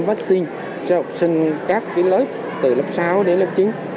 vaccine cho học sinh các lớp từ lớp sáu đến lớp chín